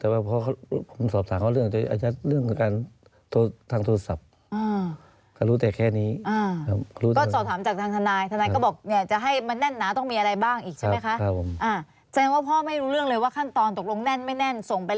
หมวนหมวนขายอ่าเลยโถ่ลูกลูกเอาสูนักที่เลี้ยงไว้เอาไป